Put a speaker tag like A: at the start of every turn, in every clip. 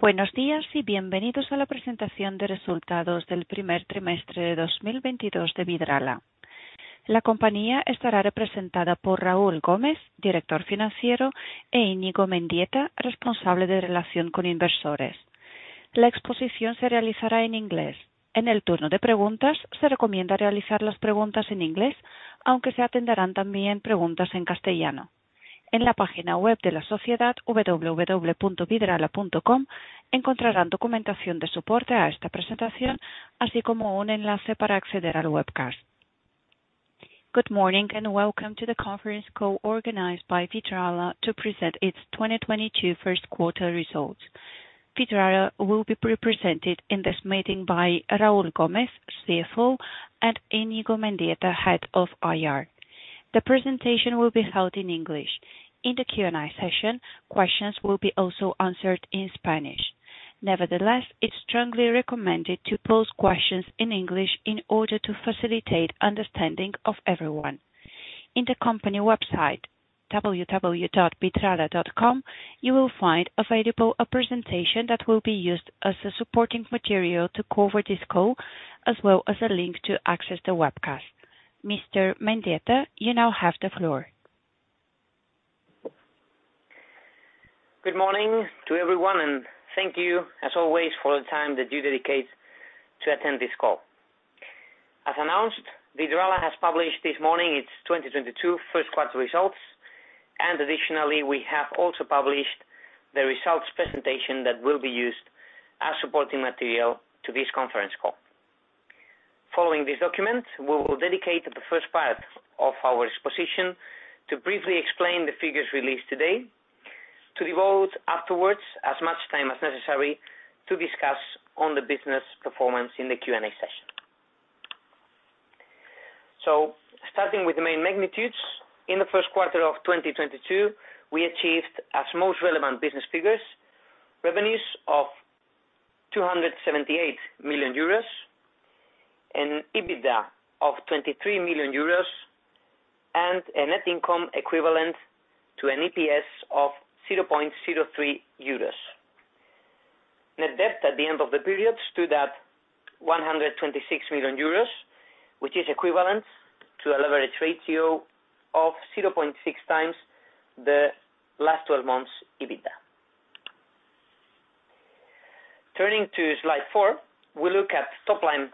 A: Buenos días y bienvenidos a la presentación de resultados del primer trimestre de 2022 de Vidrala. La compañía estará representada por Raúl Gómez, director financiero, e Iñigo Mendieta, responsable de relación con inversores. La exposición se realizará en inglés. En el turno de preguntas, se recomienda realizar las preguntas en inglés, aunque se atenderán también preguntas en castellano. En la página web de la sociedad, www.vidrala.com, encontrarán documentación de soporte a esta presentación, así como un enlace para acceder al webcast. Good morning and welcome to the conference call organized by Vidrala to present its 2022 first quarter results. Vidrala will be represented in this meeting by Raúl Gómez, CFO, and Iñigo Mendieta, Head of IR. The presentation will be held in English. In the Q&A session, questions will be also answered in Spanish. Nevertheless, it's strongly recommended to pose questions in English in order to facilitate understanding of everyone. In the company website, www.vidrala.com, you will find available a presentation that will be used as a supporting material to cover this call, as well as a link to access the webcast. Mr. Mendieta, you now have the floor.
B: Good morning to everyone and thank you as always for the time that you dedicate to attend this call. As announced, Vidrala has published this morning its 2022 first quarter results. Additionally, we have also published the results presentation that will be used as supporting material to this conference call. Following this document, we will dedicate the first part of our exposition to briefly explain the figures released today, to devote afterwards as much time as necessary to discuss on the business performance in the Q&A session. Starting with the main magnitudes, in the first quarter of 2022, we achieved as most relevant business figures, revenues of 278 million euros and EBITDA of 23 million euros and a net income equivalent to an EPS of 0.03 euros. Net debt at the end of the period stood at 126 million euros, which is equivalent to a leverage ratio of 0.6x the last 12 months EBITDA. Turning to slide four, we look at top line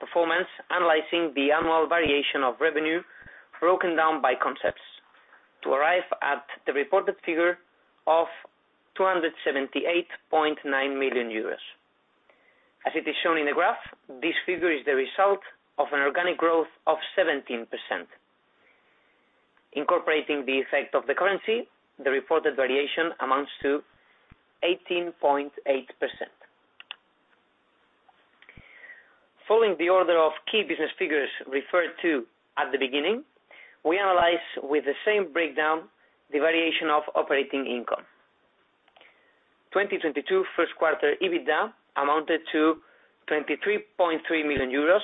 B: performance, analyzing the annual variation of revenue broken down by concepts to arrive at the reported figure of 278.9 million euros. As it is shown in the graph, this figure is the result of an organic growth of 17%. Incorporating the effect of the currency, the reported variation amounts to 18.8%. Following the order of key business figures referred to at the beginning, we analyze with the same breakdown the variation of operating income. 2022 first quarter EBITDA amounted to 23.3 million euros,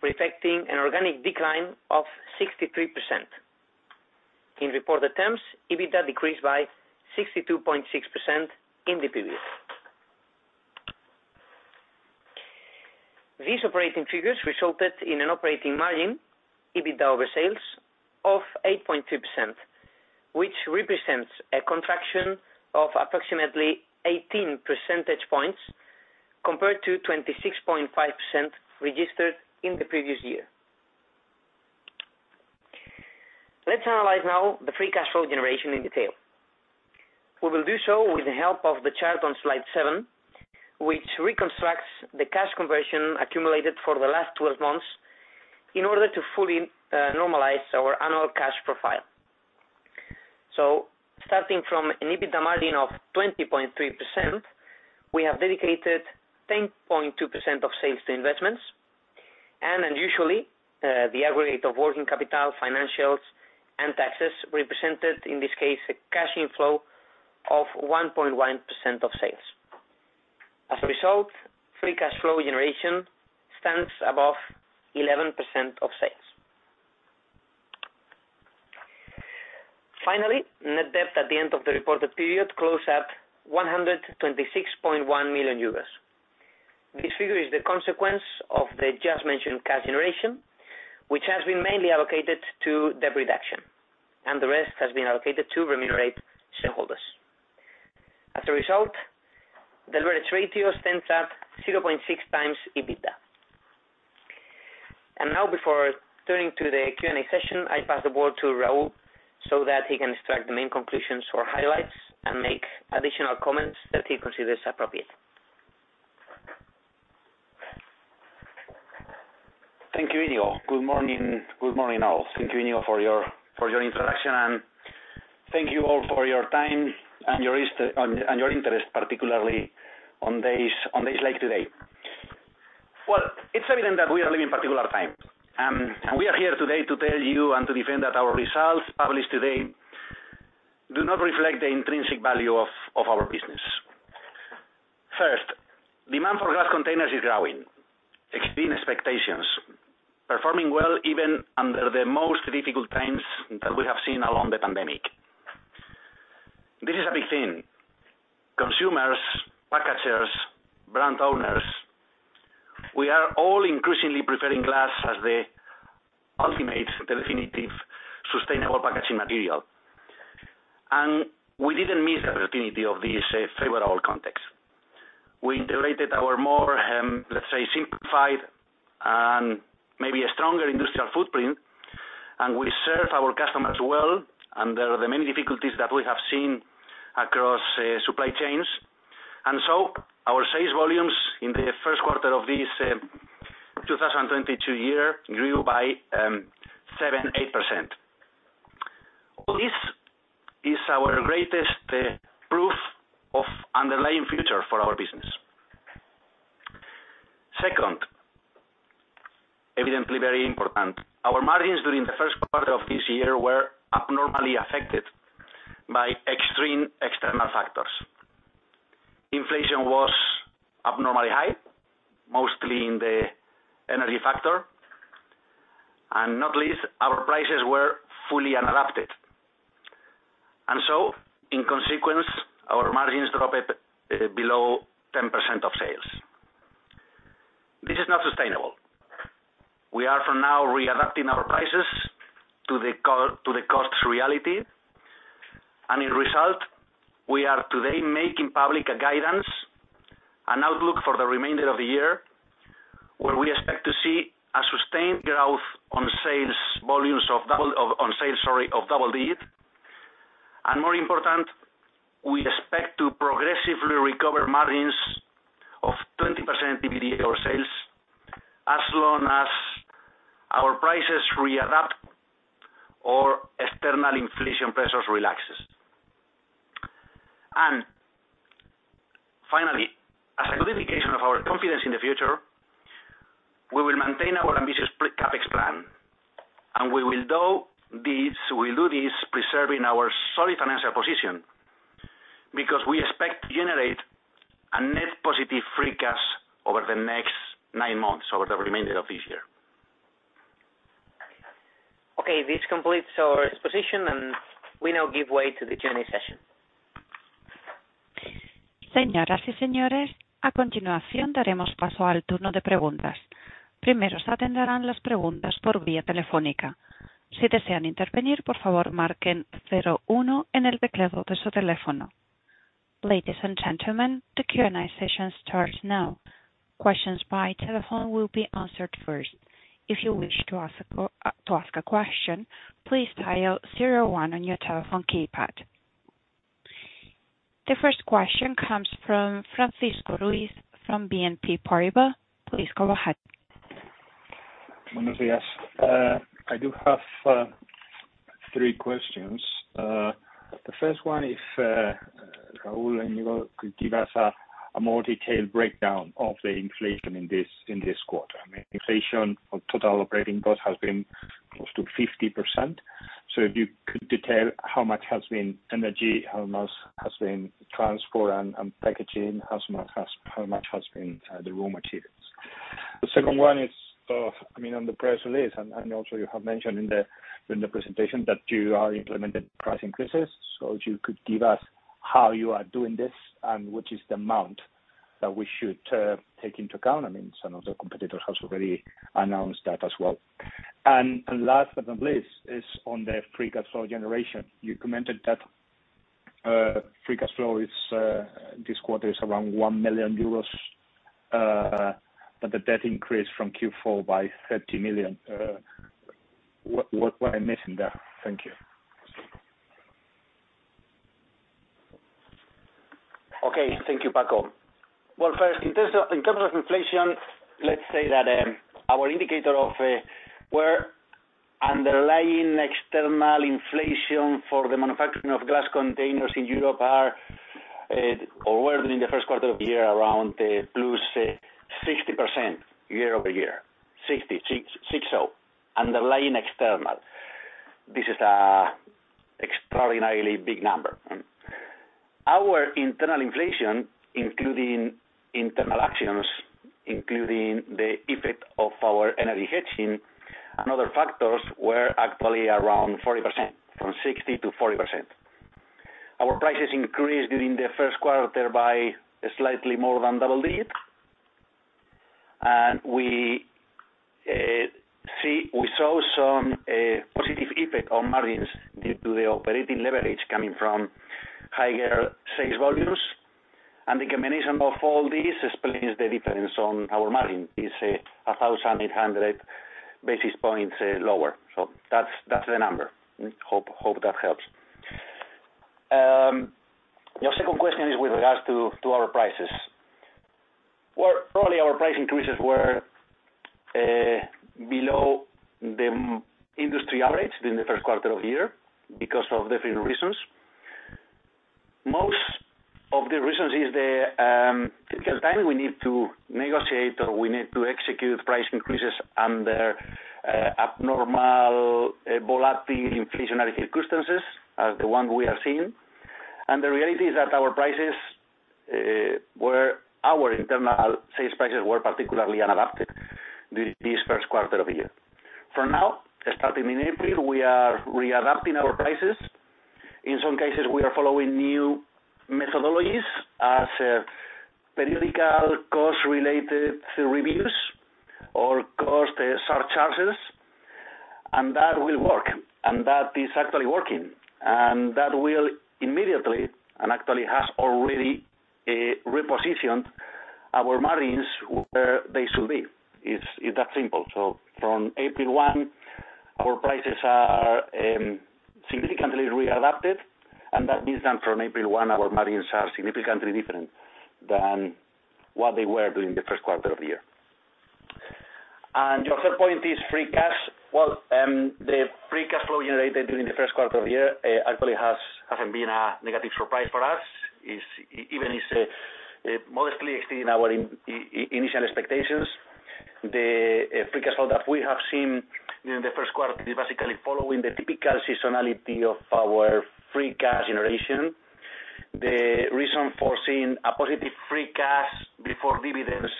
B: reflecting an organic decline of 63%. In reported terms, EBITDA decreased by 62.6% in the period. These operating figures resulted in an operating margin, EBITDA over sales, of 8.2%, which represents a contraction of approximately 18 percentage points compared to 26.5% registered in the previous year. Let's analyze now the free cash flow generation in detail. We will do so with the help of the chart on slide seven, which reconstructs the cash conversion accumulated for the last 12 months in order to fully normalize our annual cash profile. Starting from an EBITDA margin of 20.3%, we have dedicated 10.2% of sales to investments. Unusually, the aggregate of working capital, financials, and taxes represented, in this case, a cash inflow of 1.1% of sales. As a result, free cash flow generation stands above 11% of sales. Finally, net debt at the end of the reported period closed at 126.1 million euros. This figure is the consequence of the just mentioned cash generation, which has been mainly allocated to debt reduction, and the rest has been allocated to remunerate shareholders. As a result, the leverage ratio stands at 0.6x EBITDA. Now before turning to the Q&A session, I pass the floor to Raúl so that he can extract the main conclusions or highlights and make additional comments that he considers appropriate.
C: Thank you, Iñigo. Good morning. Good morning all. Thank you, Iñigo, for your introduction and thank you all for your time and your interest, particularly on days like today. Well, it's evident that we are living particular times. We are here today to tell you and to defend that our results published today do not reflect the intrinsic value of our business. First, demand for glass containers is growing, exceeding expectations, performing well even under the most difficult times that we have seen during the pandemic. This is a big thing. Consumers, packagers, brand owners, we are all increasingly preferring glass as the ultimate, the definitive sustainable packaging material. We didn't miss the opportunity of this favorable context. We integrated our more, let's say simplified and maybe a stronger industrial footprint, and we serve our customers well under the many difficulties that we have seen across supply chains. Our sales volumes in the first quarter of this 2022 year grew by 7%-8%. All this is our greatest proof of underlying future for our business. Second, evidently very important, our margins during the first quarter of this year were abnormally affected by extreme external factors. Inflation was abnormally high, mostly in the energy factor, and not least, our prices were fully unadapted. In consequence, our margins dropped below 10% of sales. This is not sustainable. We are for now readapting our prices to the cost reality. As a result, we are today making public a guidance, an outlook for the remainder of the year, where we expect to see a sustained growth on sales of double digit. More important, we expect to progressively recover margins of 20% EBITDA of sales as long as our prices readjust or external inflation pressures relax. Finally, as a good indication of our confidence in the future, we will maintain our ambitious CapEx plan, and we'll do this preserving our solid financial position because we expect to generate a net positive free cash flow over the next nine months, over the remainder of this year.
B: Okay, this completes our exposition, and we now give way to the Q&A session.
A: Ladies and gentlemen, the Q&A session starts now. Questions by telephone will be answered first. If you wish to ask a question, please dial zero one on your telephone keypad. The first question comes from Francisco Ruiz from BNP Paribas. Please go ahead.
D: Buenos días. I do have three questions. The first one is Raúl, and you could give us a more detailed breakdown of the inflation in this quarter. I mean, inflation on total operating cost has been close to 50%. If you could detail how much has been energy, how much has been transport and packaging, how much has been the raw materials. The second one is. I mean, on the press release, and also you have mentioned in the presentation that you are implementing price increases. If you could give us how you are doing this, and which is the amount that we should take into account. I mean, some of the competitors have already announced that as well. Last but not least, is on the free cash flow generation. You commented that free cash flow is this quarter around 1 million euros, but the debt increased from Q4 by 30 million. What am I missing there? Thank you.
C: Okay. Thank you, Paco. Well, first in terms of inflation, let's say that our indicator of where underlying external inflation for the manufacturing of glass containers in Europe were during the first quarter of the year around +60% year-over-year. 60%, six-zero, underlying external. This is an extraordinarily big number. Our internal inflation, including internal actions, including the effect of our energy hedging and other factors, were actually around 40%, from 60%-40%. Our prices increased during the first quarter by slightly more than double digit. We saw some positive effect on margins due to the operating leverage coming from higher sales volumes. The combination of all this explains the difference on our margin is 1,800 basis points lower. So that's the number. Hope that helps. Your second question is with regards to our prices. Well, probably our price increases were below the industry average during the first quarter of the year because of different reasons. Most of the reasons is the difficult time we need to negotiate or we need to execute price increases under abnormal volatile inflationary circumstances as the one we are seeing. The reality is that our prices were our internal sales prices were particularly unadapted this first quarter of the year. For now, starting in April, we are readapting our prices. In some cases, we are following new methodologies as a periodical cost related to reviews or cost surcharges, and that will work. That is actually working. That will immediately, and actually has already, repositioned our margins where they should be. It's that simple. From April 1, our prices are significantly readjusted, and that means that from April 1 our margins are significantly different than what they were during the first quarter of the year. Your third point is free cash. The free cash flow generated during the first quarter of the year actually hasn't been a negative surprise for us. It's even modestly exceeding our initial expectations. The free cash flow that we have seen during the first quarter is basically following the typical seasonality of our free cash generation. The reason for seeing a positive free cash before dividends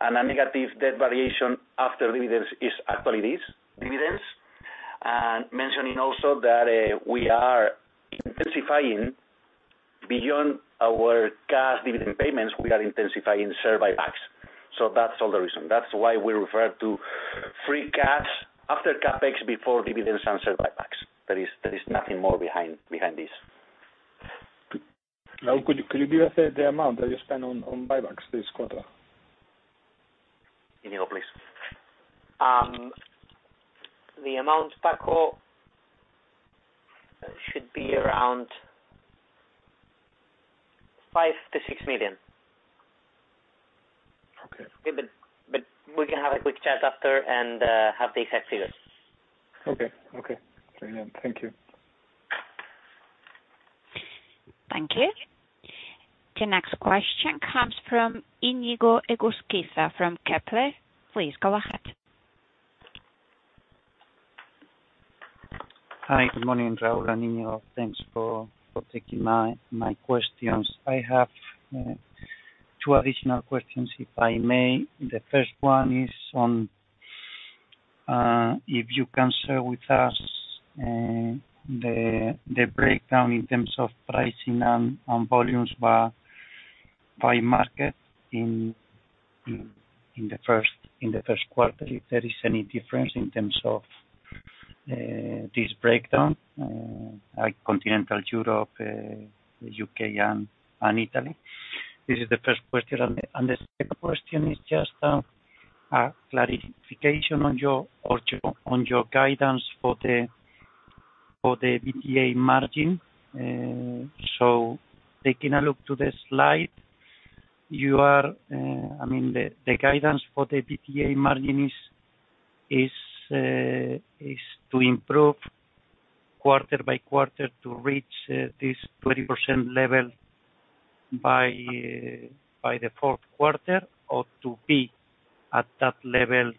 C: and a negative debt variation after dividends is actually this, dividends. Mentioning also that we are intensifying beyond our cash dividend payments, we are intensifying share buybacks. That's all the reason. That's why we refer to free cash after CapEx, before dividends and share buybacks. There is nothing more behind this.
D: Raúl, could you give us the amount that you spent on buybacks this quarter?
C: Iñigo, please.
B: The amount, Paco, should be around 5 million-6 million.
D: Okay.
B: We can have a quick chat after and have the exact figures.
D: Okay. Brilliant. Thank you.
A: Thank you. The next question comes from Iñigo Egusquiza from Kepler. Please go ahead.
E: Hi, good morning, Raúl and Iñigo. Thanks for taking my questions. I have two additional questions, if I may. The first one is on if you can share with us the breakdown in terms of pricing and volumes by market in the first quarter, if there is any difference in terms of this breakdown, like continental Europe, the U.K. and Italy. This is the first question. The second question is just a clarification on your guidance for the EBITDA margin. So, taking a look at the slide, you are... I mean, the guidance for the EBITDA margin is to improve quarter by quarter to reach this 20% level by the fourth quarter or to be at that level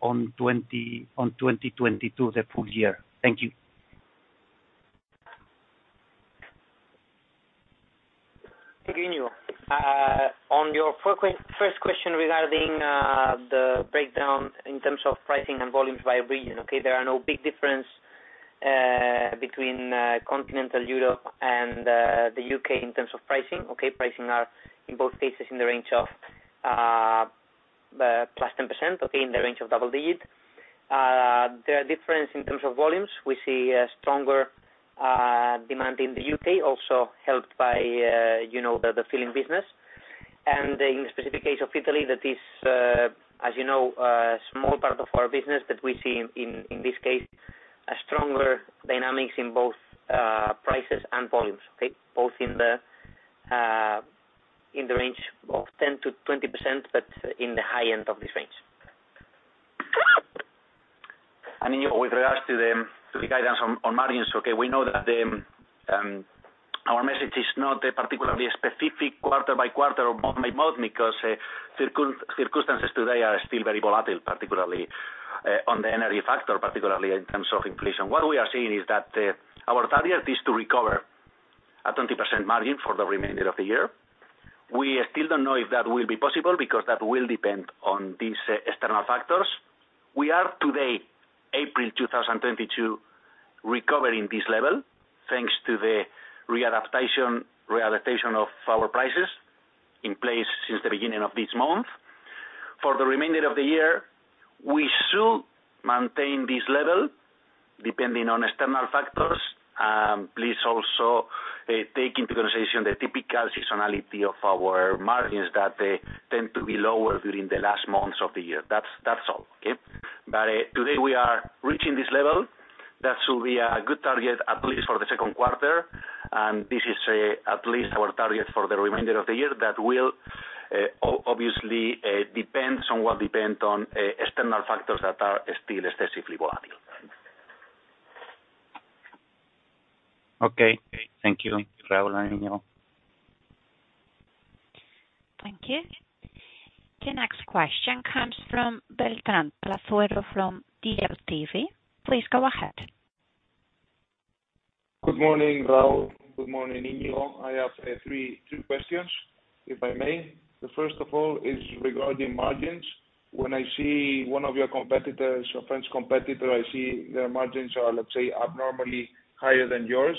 E: on 2022, the full year. Thank you.
B: Iñigo, on your first question regarding the breakdown in terms of pricing and volumes by region. Okay, there are no big difference between continental Europe and the U.K. in terms of pricing, okay? Pricing are in both cases in the range of plus 10%, okay, in the range of double digit. There are difference in terms of volumes. We see a stronger demand in the U.K. also helped by, you know, the filling business. In the specific case of Italy, that is, as you know, a small part of our business that we see in this case, a stronger dynamics in both prices and volumes, okay? Both in the range of 10%-20%, but in the high end of this range.
C: Iñigo, with regards to the guidance on margins, we know that our message is not particularly specific quarter-by-quarter or month-by- month because circumstances today are still very volatile, particularly on the energy factor, particularly in terms of inflation. What we are seeing is that our target is to recover a 20% margin for the remainder of the year. We still don't know if that will be possible because that will depend on these external factors. We are today, April 2022, recovering this level, thanks to the readaptation of our prices in place since the beginning of this month. For the remainder of the year, we still maintain this level depending on external factors. Please also take into consideration the typical seasonality of our margins that they tend to be lower during the last months of the year. That's all, okay? Today we are reaching this level. That will be a good target, at least for the second quarter. This is at least our target for the remainder of the year. That will obviously somewhat depend on external factors that are still excessively volatile.
E: Okay. Thank you, Raúl and Iñigo.
A: Thank you. The next question comes from Beltrán Palazuelo from DLTV. Please go ahead.
F: Good morning, Raúl. Good morning, Iñigo. I have three questions, if I may. The first of all is regarding margins. When I see one of your competitors, your French competitor, I see their margins are, let's say, abnormally higher than yours.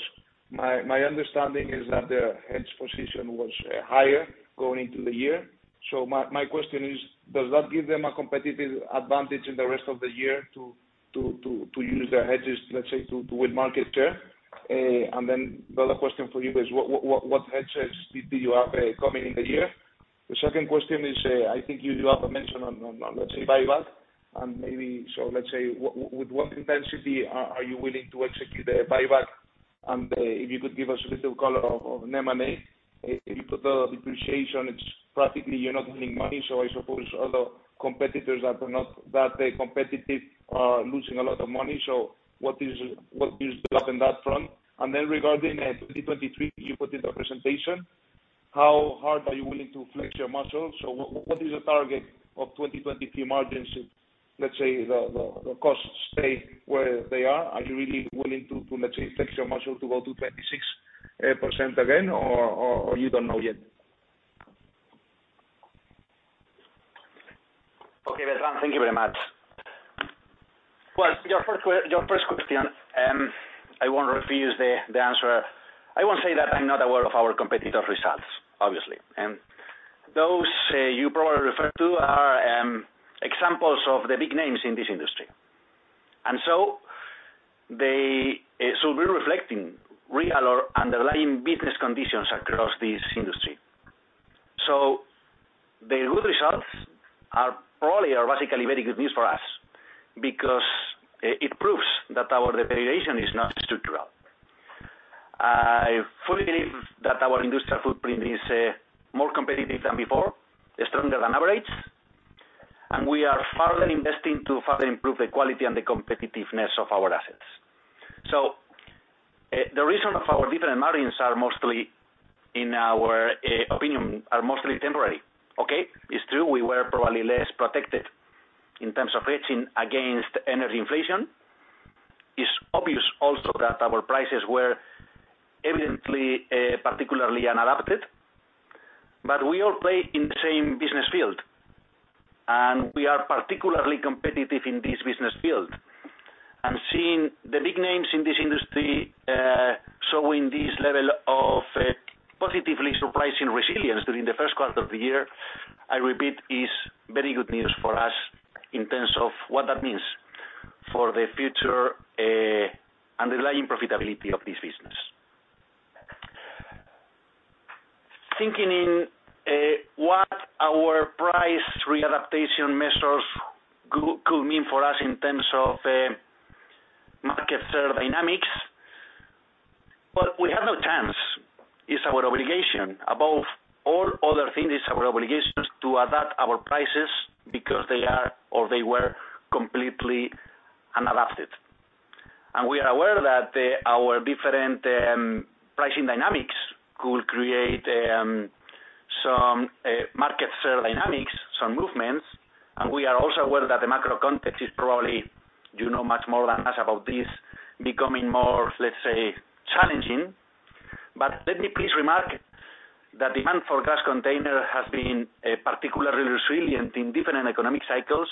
F: My understanding is that their hedge position was higher going into the year. My question is, does that give them a competitive advantage in the rest of the year to use their hedges, let's say, to win market share? The other question for you is what hedges do you have coming in the year? The second question is, I think you do have a mention on, let's say, buyback, and maybe so let's say with what intensity are you willing to execute the buyback? If you could give us a little color on an M&A. If you put the depreciation, it's practically you're not winning money, so I suppose other competitors that are not that competitive are losing a lot of money. What is the look on that front? Regarding 2023, you put in the presentation, how hard are you willing to flex your muscles? What is the target of 2023 margins if, let's say, the costs stay where they are? Are you really willing to let's say, flex your muscle to go to 26% again, or you don't know yet?
C: Okay, Beltrán, thank you very much. Well, your first question, I won't refuse the answer. I won't say that I'm not aware of our competitors' results, obviously. Those you probably refer to are examples of the big names in this industry. They should be reflecting real or underlying business conditions across this industry. The good results are probably basically very good news for us because it proves that our deterioration is not structural. I fully believe that our industrial footprint is more competitive than before, is stronger than average, and we are further investing to further improve the quality and the competitiveness of our assets. The reason of our different margins are mostly, in our opinion, mostly temporary, okay. It's true we were probably less protected in terms of hedging against energy inflation. It's obvious also that our prices were evidently particularly unadapted. We all play in the same business field, and we are particularly competitive in this business field. Seeing the big names in this industry showing this level of positively surprising resilience during the first quarter of the year, I repeat, is very good news for us in terms of what that means for the future underlying profitability of this business. Thinking in what our price readaptation measures could mean for us in terms of market share dynamics, but we have no chance. It's our obligation. Above all other things, it's our obligations to adapt our prices because they are or they were completely unadapted. We are aware that our different pricing dynamics could create some market share dynamics, some movements. We are also aware that the macro context is probably, you know much more than us about this, becoming more, let's say, challenging. Let me please remark that demand for glass container has been particularly resilient in different economic cycles.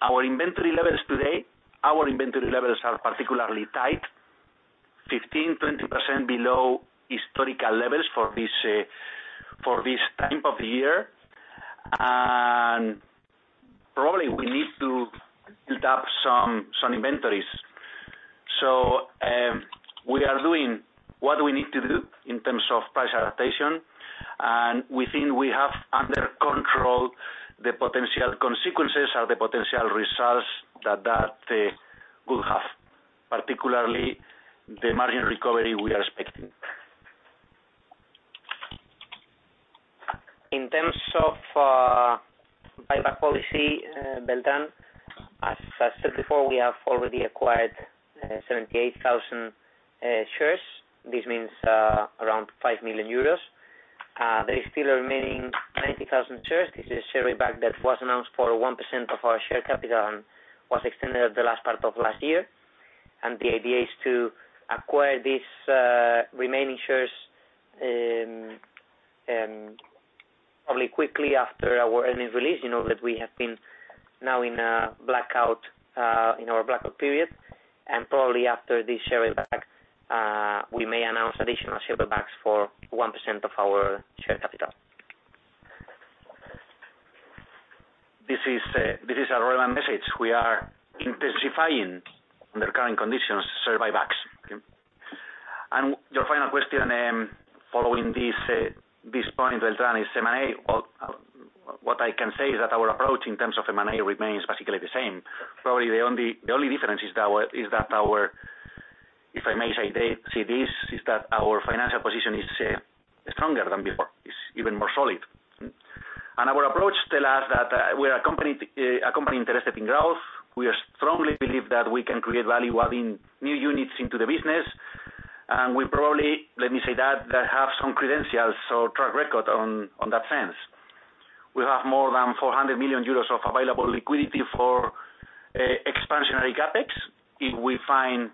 C: Our inventory levels today are particularly tight, 15%-20% below historical levels for this time of the year. Probably we need to build up some inventories. We are doing what we need to do in terms of price adaptation, and we think we have under control the potential consequences or the potential results that could have, particularly the margin recovery we are expecting.
B: In terms of buyback policy, Beltrán, as I said before, we have already acquired 78,000 shares. This means around 5 million euros. There is still remaining 90,000 shares. This is a share buyback that was announced for 1% of our share capital and was extended at the last part of last year. The idea is to acquire these remaining shares probably quickly after our earnings release. You know that we have been now in a blackout in our blackout period. Probably after this share buyback, we may announce additional share buybacks for 1% of our share capital. This is a relevant message. We are intensifying under current conditions share buybacks. Your final question, following this point, Beltrán, is M&A. Well, what I can say is that our approach in terms of M&A remains basically the same. Probably the only difference is that our, if I may say this, financial position is stronger than before. It's even more solid. Our approach tells us that we're a company interested in growth. We strongly believe that we can create value adding new units into the business. We probably, let me say that, have some credentials or track record on that sense. We have more than 400 million euros of available liquidity for expansionary CapEx if we find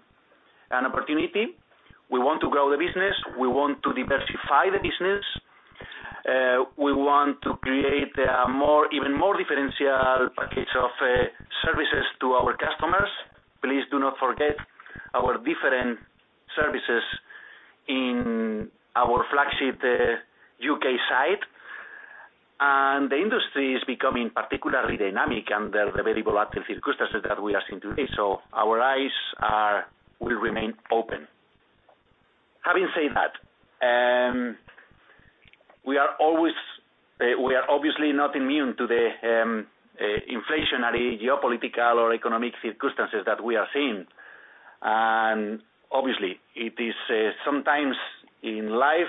B: an opportunity. We want to grow the business. We want to diversify the business. We want to create more differentiated package of services to our customers. Please do not forget our different services in our flagship U.K. site. The industry is becoming particularly dynamic under the available active circumstances that we are seeing today. Our eyes will remain open. Having said that, we are obviously not immune to the inflationary geopolitical or economic circumstances that we are seeing. Obviously it is sometimes in life,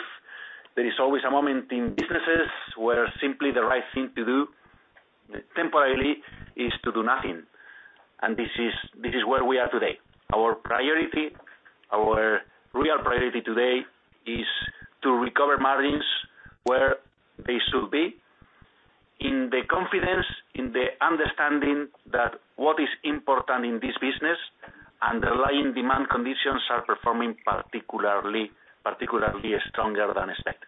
B: there is always a moment in businesses where simply the right thing to do temporarily is to do nothing. This is where we are today. Our priority, our real priority today is to recover margins where they should be in the confidence, in the understanding that what is important in this business, underlying demand conditions are performing particularly stronger than expected.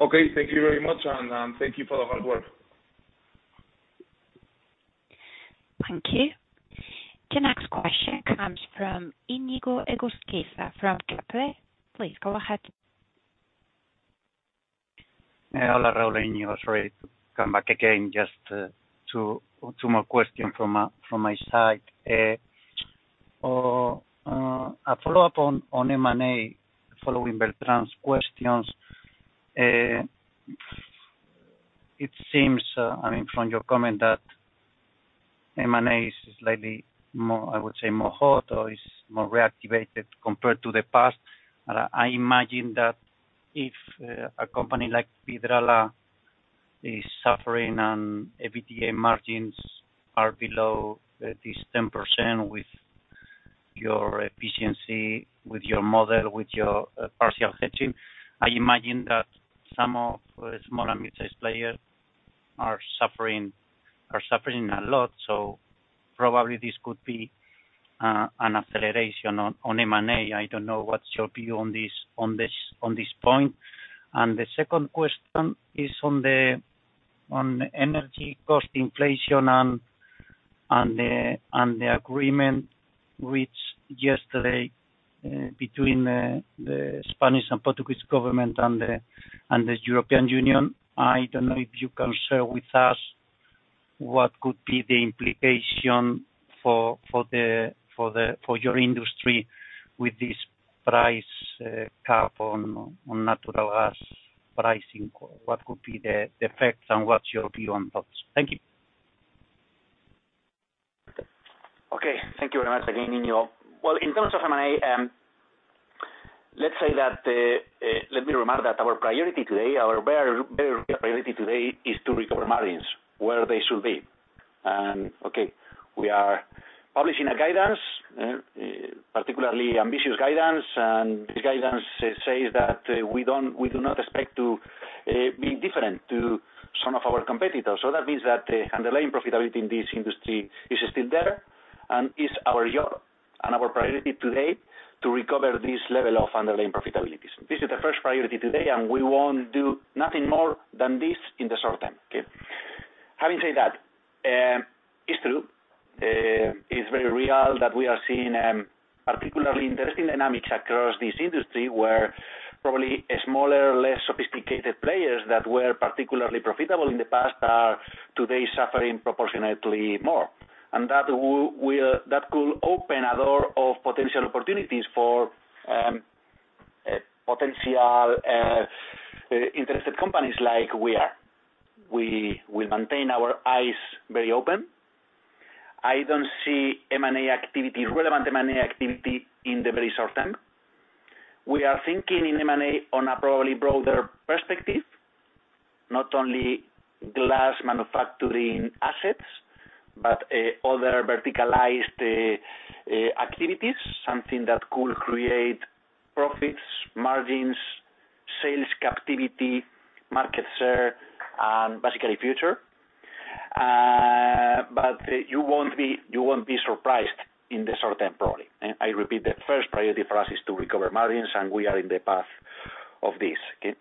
F: Okay. Thank you very much, and, thank you for the hard work.
A: Thank you. The next question comes from Iñigo Egusquiza from Kepler Cheuvreux. Please go ahead.
E: Yeah. Hola, Raúl. Iñigo. Sorry to come back again. Just two more questions from my side. A follow-up on M&A following Beltrán's questions. It seems, I mean, from your comment that M&A is slightly more, I would say more hot or is more reactivated compared to the past. I imagine that if a company like Vidrala is suffering and EBITDA margins are below at least 10% with your efficiency, with your model, with your partial hedging, I imagine that some of small and midsize players are suffering a lot. Probably this could be an acceleration on M&A. I don't know what's your view on this point. The second question is on the energy cost inflation and the agreement reached yesterday between the Spanish and Portuguese government and the European Union. I don't know if you can share with us what could be the implication for your industry with this price cap on natural gas pricing. What could be the effects and what's your view on thoughts? Thank you.
C: Okay. Thank you very much again, Iñigo. Well, in terms of M&A, let's say that, let me remind that our priority today, our very priority today is to recover margins where they should be. Okay, we are publishing a guidance, particularly ambitious guidance. This guidance says that, we do not expect to, be different to some of our competitors. That means that the underlying profitability in this industry is still there, and it's our job and our priority today to recover this level of underlying profitabilities. This is the first priority today, and we won't do nothing more than this in the short term, okay? Having said that, it's true, it's very real that we are seeing particularly interesting dynamics across this industry, where probably a smaller, less sophisticated players that were particularly profitable in the past are today suffering proportionately more. That could open a door of potential opportunities for potential interested companies like we are. We maintain our eyes very open. I don't see M&A activity, relevant M&A activity in the very short term. We are thinking in M&A on a probably broader perspective, not only glass manufacturing assets, but other verticalized activities, something that could create profits, margins, sales capacity, market share, and basically future. But you won't be surprised in the short term, probably. I repeat, the first priority for us is to recover margins, and we are in the path of this, okay?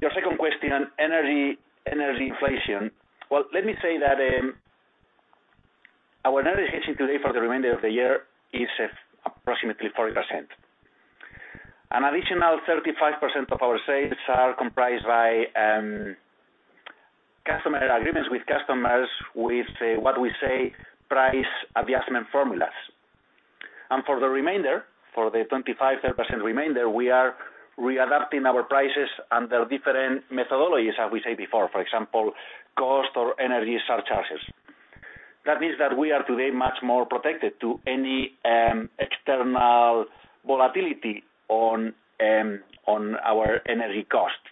C: Your second question on energy inflation. Well, let me say that, our energy hedging today for the remainder of the year is approximately 40%. An additional 35% of our sales are comprised by customer agreements with customers with what we say price adjustment formulas. For the remainder, for the 25%-30% remainder, we are readapting our prices under different methodologies, as we said before, for example, cost or energy surcharges. That means that we are today much more protected to any external volatility on our energy cost.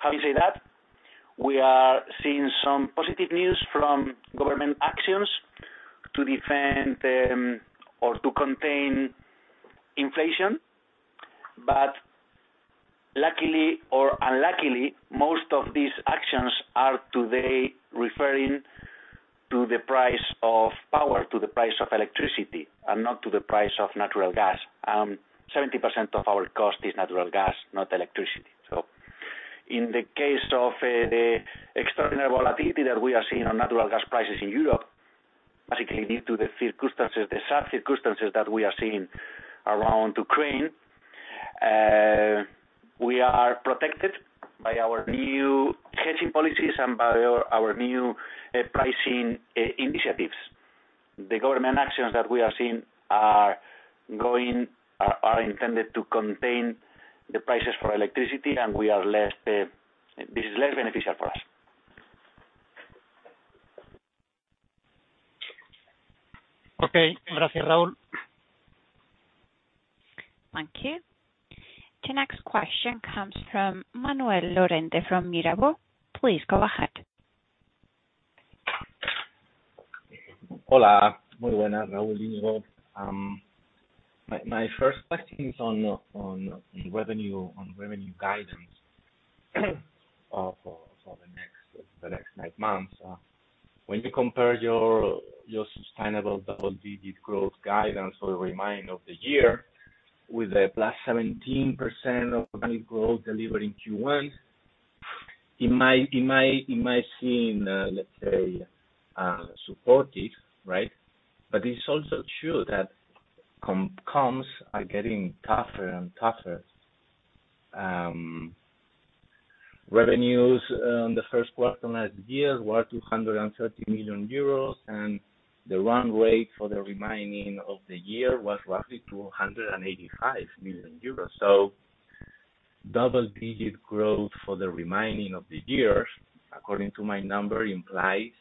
C: Having said that. We are seeing some positive news from government actions to defend or to contain inflation. Luckily or unluckily, most of these actions are today referring to the price of power, to the price of electricity, and not to the price of natural gas. 70% of our cost is natural gas, not electricity. In the case of the extraordinary volatility that we are seeing on natural gas prices in Europe, basically due to the circumstances, the sad circumstances that we are seeing around Ukraine, we are protected by our new hedging policies and by our new pricing initiatives. The government actions that we are seeing are intended to contain the prices for electricity, and we are less, this is less beneficial for us.
E: Okay. Gracias, Raúl.
A: Thank you. The next question comes from Manuel Lorente from Mirabaud. Please go ahead.
G: Hola. Raúl y Iñigo. My first question is on revenue guidance for the next nine months. When you compare your sustainable double-digit growth guidance for the remaining of the year with a +17% organic growth delivered in Q1, it might seem, let's say, supportive, right? It's also true that comps are getting tougher and tougher. Revenues in the first quarter last year were 230 million euros, and the run rate for the remaining of the year was roughly 285 million euros. Double-digit growth for the remaining of the year, according to my number, implies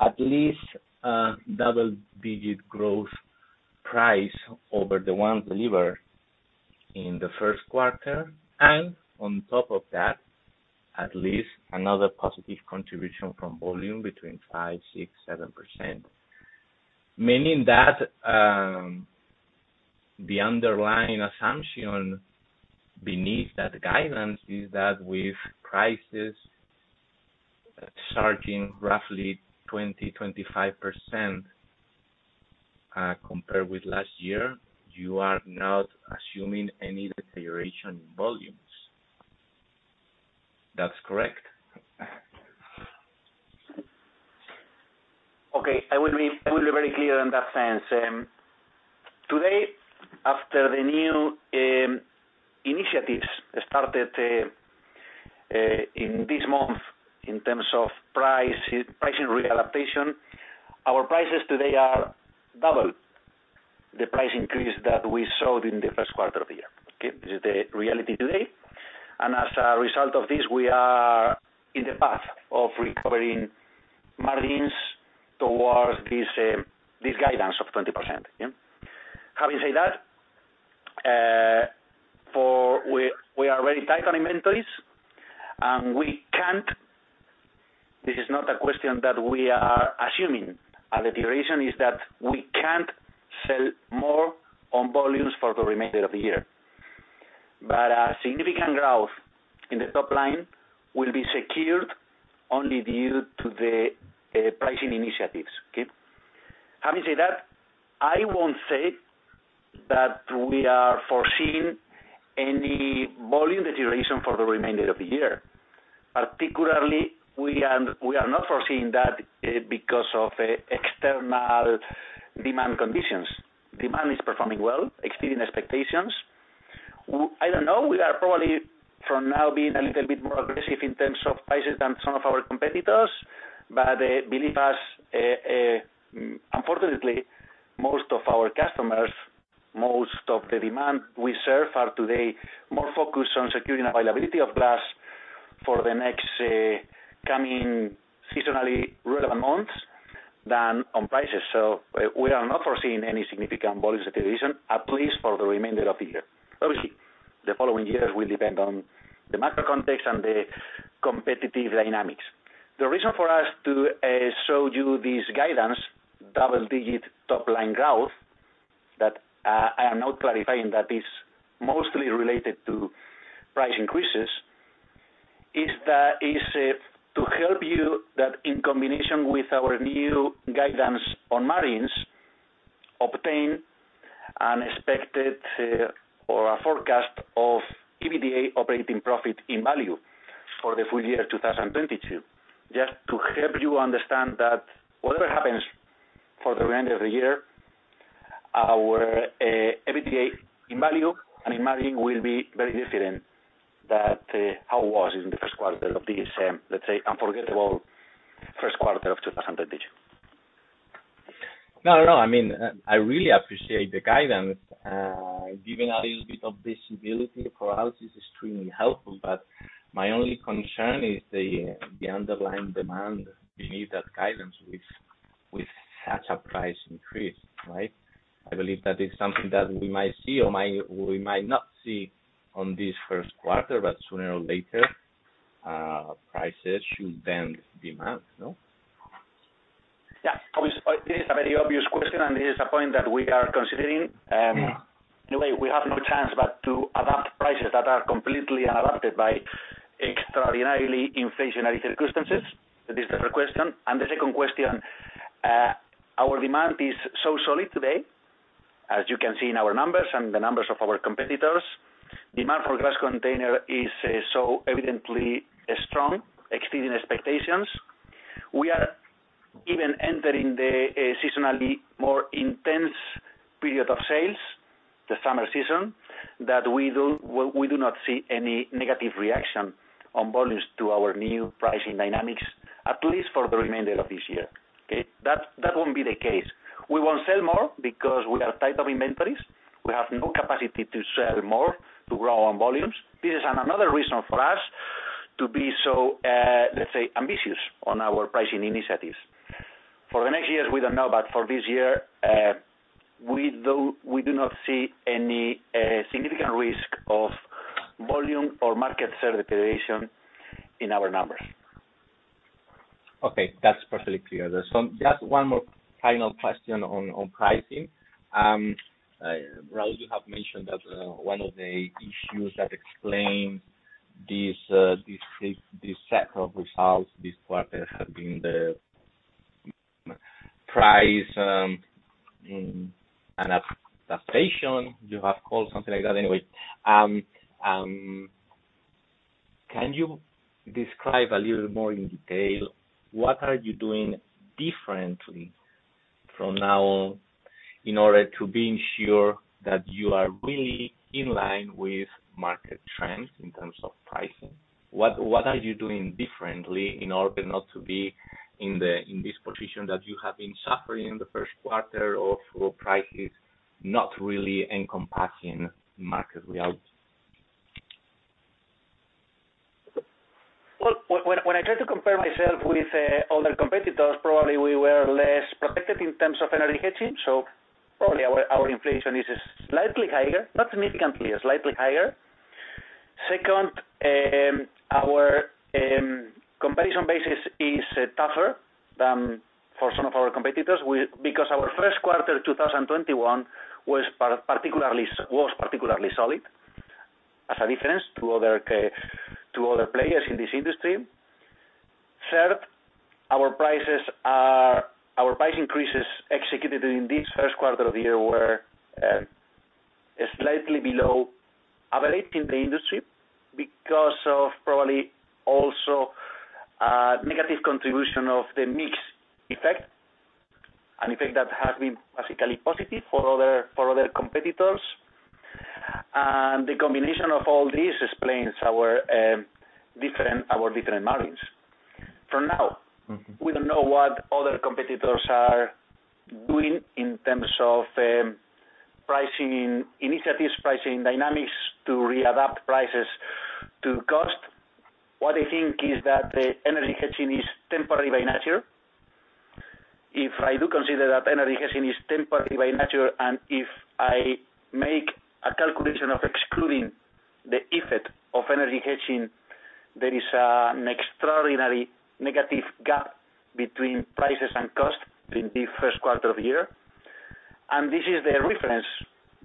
G: at least a double-digit growth price over the one delivered in the first quarter, and on top of that, at least another positive contribution from volume between 5%, 6%, 7%. Meaning that, the underlying assumption beneath that guidance is that with prices surging roughly 20%, 25% compared with last year, you are not assuming any deterioration in volumes. That's correct?
C: Okay. I will be very clear in that sense. Today, after the new initiatives started in this month in terms of pricing re-adaptation, our prices today are double the price increase that we saw in the first quarter of the year. Okay? This is the reality today. As a result of this, we are in the path of recovering margins towards this guidance of 20%. Having said that, we are very tight on inventories, and this is not a question that we are assuming. The duration is that we can't sell more on volumes for the remainder of the year. A significant growth in the top line will be secured only due to the pricing initiatives. Okay? Having said that, I won't say that we are foreseeing any volume deterioration for the remainder of the year. Particularly, we are not foreseeing that because of external demand conditions. Demand is performing well, exceeding expectations. I don't know. We are probably from now being a little bit more aggressive in terms of prices than some of our competitors. Believe us, unfortunately, most of our customers, most of the demand we serve are today more focused on securing availability of glass for the next coming seasonally relevant months than on prices. We are not foreseeing any significant volume deterioration, at least for the remainder of the year. Obviously, the following years will depend on the macro context and the competitive dynamics. The reason for us to show you this guidance, double-digit top-line growth, that I am now clarifying that is mostly related to price increases, is that to help you, that in combination with our new guidance on margins, obtain an expected or a forecast of EBITDA operating profit in value for the full year 2022. Just to help you understand that whatever happens for the remainder of the year, our EBITDA in value and in margin will be very different than how it was in the first quarter of this, let's say unforgettable first quarter of 2022.
G: No, no. I mean, I really appreciate the guidance. Giving a little bit of visibility for us is extremely helpful. My only concern is the underlying demand beneath that guidance. With such a price increase, right? I believe that is something that we might see or might not see on this first quarter, but sooner or later, prices should then demand, no?
C: Yeah. Obviously, this is a very obvious question, and this is a point that we are considering. Anyway, we have no choice but to adapt prices that are completely affected by extraordinarily inflationary circumstances. That is the first question. The second question, our demand is so solid today, as you can see in our numbers and the numbers of our competitors. Demand for glass container is so evidently strong, exceeding expectations. We are even entering the seasonally more intense period of sales, the summer season, that we do not see any negative reaction on volumes to our new pricing dynamics, at least for the remainder of this year. Okay. That won't be the case. We won't sell more because we are tight on inventories. We have no capacity to sell more, to grow on volumes. This is another reason for us to be so, let's say, ambitious on our pricing initiatives. For the next years, we don't know, but for this year, we do not see any significant risk of volume or market share deterioration in our numbers.
G: Okay, that's perfectly clear. Just one more final question on pricing. Raúl, you have mentioned that one of the issues that explain this set of results this quarter have been the price adaptation, you have called something like that. Anyway, can you describe a little more in detail what are you doing differently from now in order to be sure that you are really in line with market trends in terms of pricing? What are you doing differently in order not to be in this position that you have been suffering in the first quarter of low prices not really encompassing market results?
C: Well, when I try to compare myself with other competitors, probably we were less protected in terms of energy hedging. Probably our inflation is slightly higher, not significantly, slightly higher. Second, our comparison basis is tougher than for some of our competitors because our first quarter 2021 was particularly solid as a difference to other players in this industry. Third, our prices are. Our price increases executed in this first quarter of the year were slightly below average in the industry because of probably also a negative contribution of the mix effect, an effect that has been basically positive for other competitors. The combination of all these explains our different margins. For now.
G: Mm-hmm.
C: We don't know what other competitors are doing in terms of, pricing initiatives, pricing dynamics to readapt prices to cost. What I think is that energy hedging is temporary by nature. If I do consider that energy hedging is temporary by nature, and if I make a calculation of excluding the effect of energy hedging, there is, an extraordinary negative gap between prices and costs in the first quarter of the year. This is the reference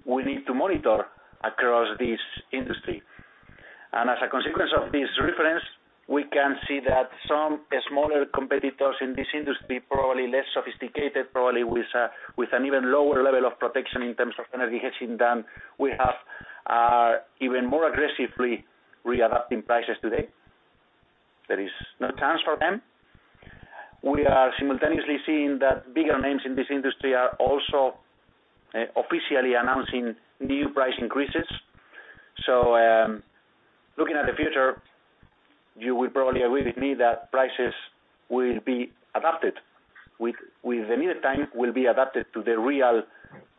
C: we need to monitor across this industry. As a consequence of this reference, we can see that some smaller competitors in this industry, probably less sophisticated, probably with an even lower level of protection in terms of energy hedging than we have, are even more aggressively readapting prices today. There is no chance for them. We are simultaneously seeing that bigger names in this industry are also officially announcing new price increases. Looking at the future, you will probably agree with me that prices will be adapted. With the needed time will be adapted to the real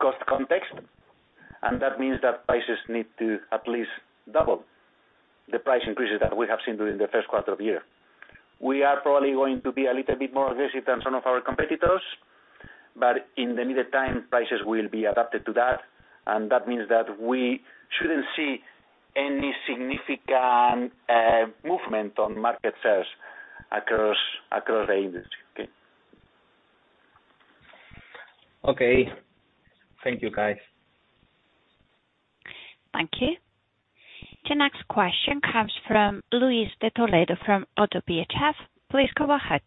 C: cost context. That means that prices need to at least double the price increases that we have seen during the first quarter of the year. We are probably going to be a little bit more aggressive than some of our competitors, but in the needed time, prices will be adapted to that. That means that we shouldn't see any significant movement on market shares across the industry. Okay.
G: Okay. Thank you, guys.
A: Thank you. The next question comes from Luis de Toledo from ODDO BHF. Please go ahead.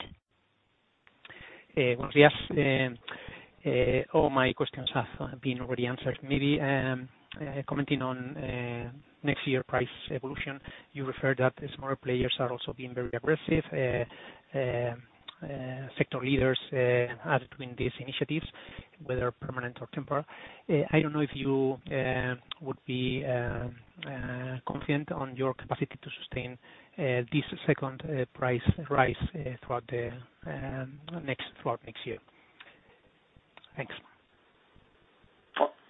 H: Yeah. All my questions have been already answered. Maybe commenting on next year price evolution, you referred that the smaller players are also being very aggressive. Sector leaders are doing these initiatives, whether permanent or temporary. I don't know if you would be confident on your capacity to sustain this second price rise throughout next year. Thanks.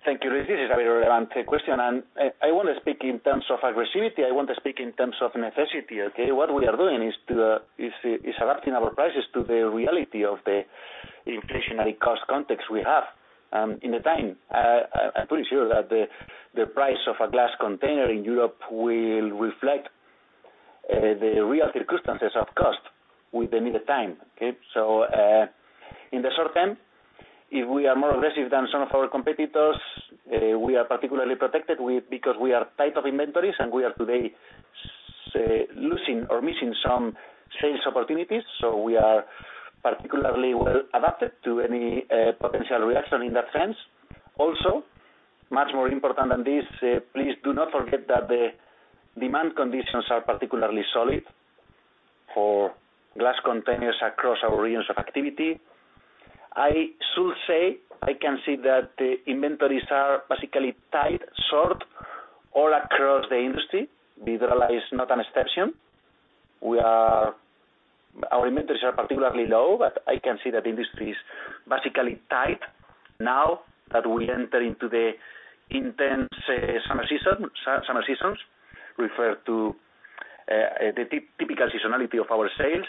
C: Thank you, Luis. This is a very relevant question, and I wanna speak in terms of aggressivity, I want to speak in terms of necessity, okay? What we are doing is adapting our prices to the reality of the inflationary cost context we have, in the time. I'm pretty sure that the price of a glass container in Europe will reflect the real circumstances of cost within the time, okay? In the short term, if we are more aggressive than some of our competitors, we are particularly protected because we are tight of inventories and we are today losing or missing some sales opportunities, so we are particularly well adapted to any potential reaction in that sense. Also, much more important than this, please do not forget that the demand conditions are particularly solid for glass containers across our areas of activity. I should say, I can see that the inventories are basically tight, short all across the industry. Vidrala is not an exception. Our inventories are particularly low, but I can see that industry is basically tight now that we enter into the intense summer season. Summer seasons refer to the typical seasonality of our sales.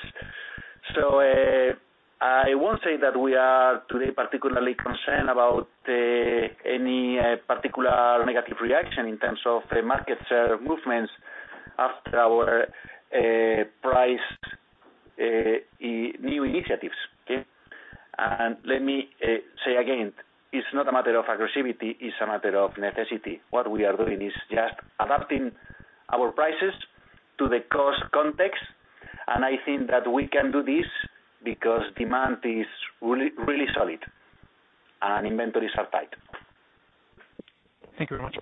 C: I won't say that we are today particularly concerned about any particular negative reaction in terms of the market share movements after our price new initiatives, okay. Let me say again, it's not a matter of aggressiveness, it's a matter of necessity. What we are doing is just adapting our prices to the cost context, and I think that we can do this because demand is really, really solid and inventories are tight.
H: Thank you very much.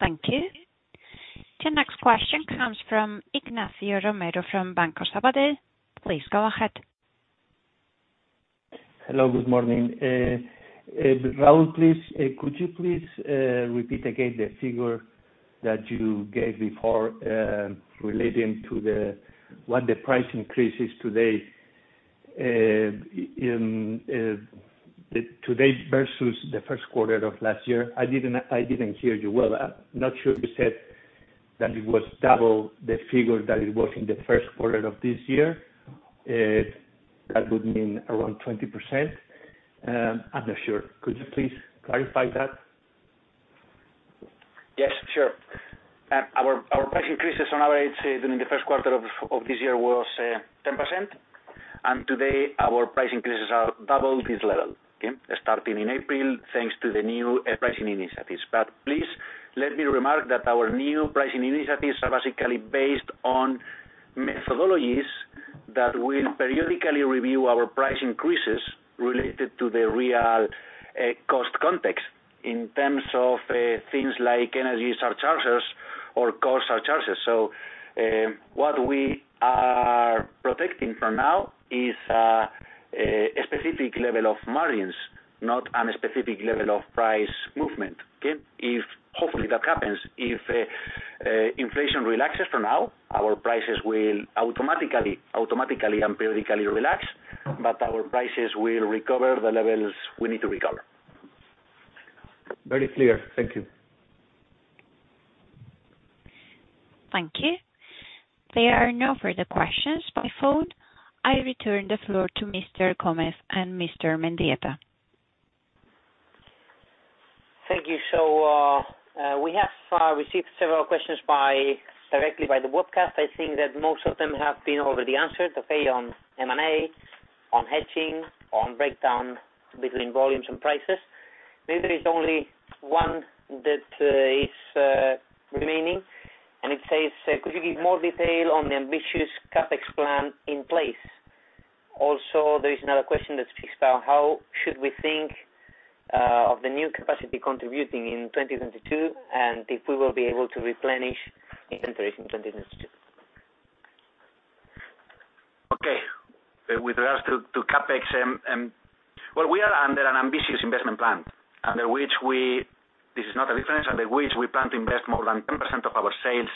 A: Thank you. The next question comes from Ignacio Romero from Banco Sabadell. Please go ahead.
I: Hello, good morning. Raúl, please, could you please repeat again the figure that you gave before, relating to the, what the price increase is today, in the today versus the first quarter of last year? I didn't hear you well. I'm not sure if you said that it was double the figure that it was in the first quarter of this year. That would mean around 20%. I'm not sure. Could you please clarify that?
C: Yes, sure. Our price increases on average during the first quarter of this year was 10%. Today our price increases are double this level, okay? Starting in April, thanks to the new pricing initiatives. Please let me remind you that our new pricing initiatives are basically based on methodologies that will periodically review our price increases related to the real cost context in terms of things like energy surcharges or cost surcharges. What we are protecting for now is a specific level of margins, not an specific level of price movement, okay? If hopefully that happens, if inflation relaxes for now, our prices will automatically and periodically relax, but our prices will recover the levels we need to recover.
I: Very clear. Thank you.
A: Thank you. There are no further questions by phone. I return the floor to Mr. Gómez and Mr. Mendieta.
B: Thank you. We have received several questions directly by the webcast. I think that most of them have been already answered, okay, on M&A, on hedging, on breakdown between volumes and prices. There is only one that is remaining, and it says, "Could you give more detail on the ambitious CapEx plan in place?" Also, there is another question that speaks about how should we think of the new capacity contributing in 2022, and if we will be able to replenish inventories in 2022.
C: Okay. With regards to CapEx, well, we are under an ambitious investment plan, under which we plan to invest more than 10% of our sales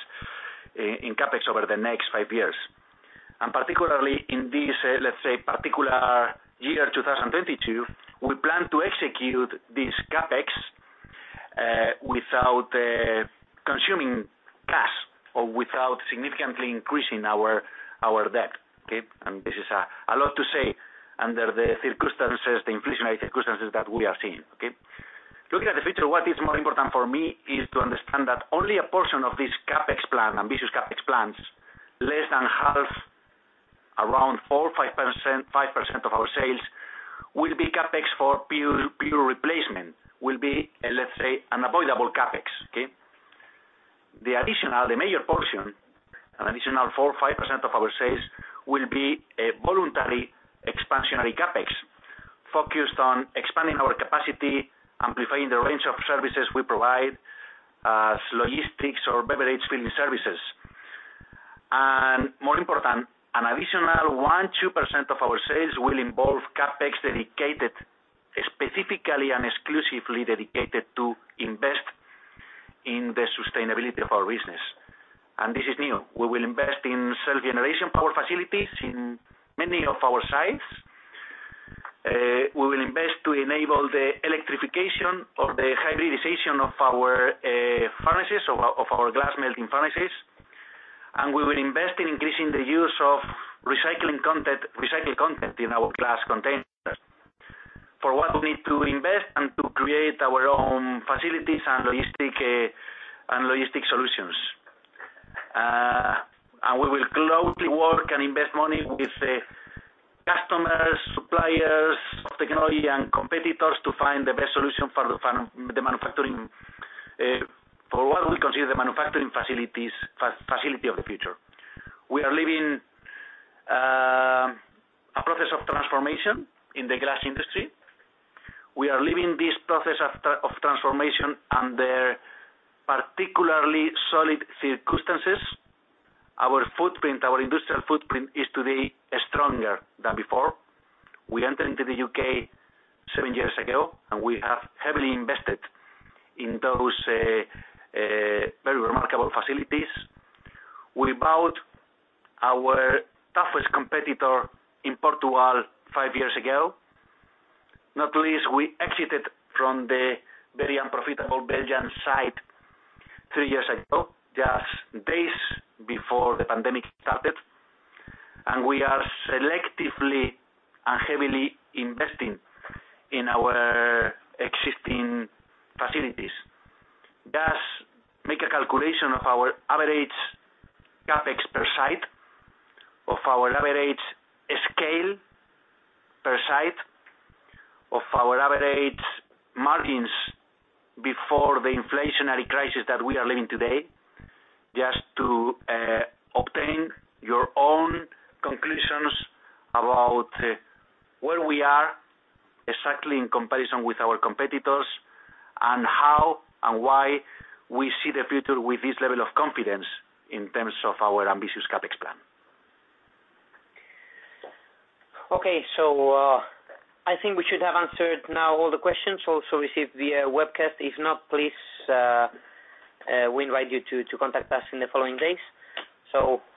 C: in CapEx over the next five years. Particularly in this, let's say, particular year, 2022, we plan to execute this CapEx without consuming cash or without significantly increasing our debt. Okay? This is a lot to say under the circumstances, the inflationary circumstances that we are seeing. Okay? Looking at the future, what is more important for me is to understand that only a portion of this ambitious CapEx plan, less than half, around 4%, 5% of our sales will be CapEx for pure replacement. It will be, let's say, unavoidable CapEx. Okay? The major portion, an additional 4%, 5% of our sales will be a voluntary expansionary CapEx focused on expanding our capacity, amplifying the range of services we provide, such as logistics or beverage filling services. More important, an additional 1%, 2% of our sales will involve CapEx dedicated specifically and exclusively to investing in the sustainability of our business. This is new. We will invest in self-generation power facilities in many of our sites. We will invest to enable the electrification or the hybridization of our furnaces, our glass melting furnaces. We will invest in increasing the use of recycling content, recycled content in our glass containers. For what we need to invest and to create our own facilities and logistics solutions. We will closely work and invest money with customers, suppliers of technology and competitors to find the best solution for what we consider the manufacturing facility of the future. We are living a process of transformation in the glass industry. We are living this process of transformation under particularly solid circumstances. Our footprint, our industrial footprint is today stronger than before. We entered into the U.K. seven years ago, and we have heavily invested in those very remarkable facilities. We bought our toughest competitor in Portugal five years ago. Not least, we exited from the very unprofitable Belgian site three years ago, just days before the pandemic started. We are selectively and heavily investing in our existing facilities. Just make a calculation of our average CapEx per site, of our average scale per site, of our average margins before the inflationary crisis that we are living today, just to obtain your own conclusions about where we are exactly in comparison with our competitors and how and why we see the future with this level of confidence in terms of our ambitious CapEx plan.
B: I think we should have answered now all the questions also received via webcast. If not, please, we invite you to contact us in the following days.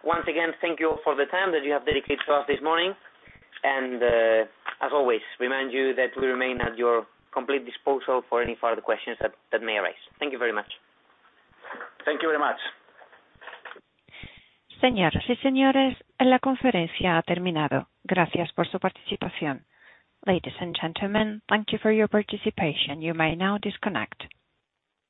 B: Once again, thank you for the time that you have dedicated to us this morning. As always, remind you that we remain at your complete disposal for any further questions that may arise. Thank you very much.
C: Thank you very much.
A: Señoras y señores, la conferencia ha terminado. Gracias por su participación. Ladies and gentlemen, thank you for your participation. You may now disconnect.